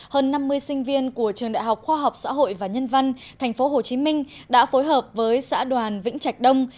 hơn năm mươi sinh viên của trường đại học khoa học xã hội và nhân văn tp hcm đã phối hợp với xã đoàn vĩnh trạch đông